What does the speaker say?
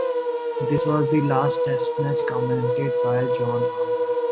This was the last Test match commentated by John Arlott.